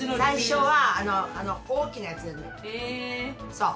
そう。